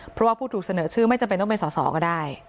เพราะว่าผู้ถูกเสนอชื่อไม่จำเป็นต้องเป็นสอสอก็ได้